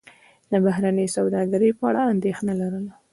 د بهرنۍ سوداګرۍ په اړه اندېښنه لرله.